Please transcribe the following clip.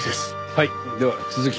はい。